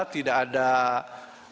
tidak ada keberlangsungan